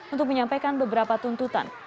untuk menyampaikan beberapa tuntutan